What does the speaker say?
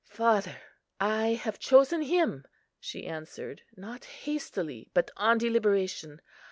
"Father, I have chosen Him," she answered, "not hastily, but on deliberation.